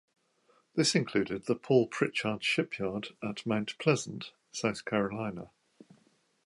This included the Paul Pritchard Shipyard at Mount Pleasant, South Carolina.